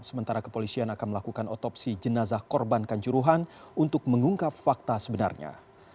sementara kepolisian akan melakukan otopsi jenazah korban kanjuruhan untuk mengungkap fakta sebenarnya